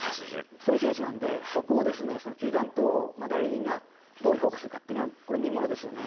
そういう選手なのでそこを球団と代理人がどう評価するかというのが見ものです。